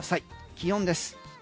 気温です。